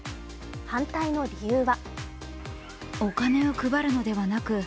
反対の理由は。